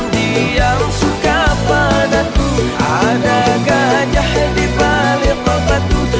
masih jalan tumaritis